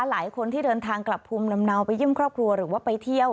หลายคนที่เดินทางกลับภูมิลำเนาไปเยี่ยมครอบครัวหรือว่าไปเที่ยว